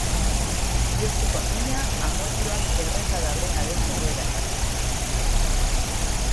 Bihotzeko mina, amodioak erreta dagoenaren egoerari.